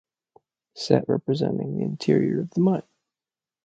Set representing the interior of the mine.